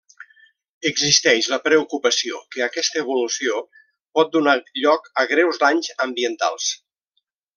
Existeix la preocupació que aquesta evolució pot donar a lloc greus danys ambientals.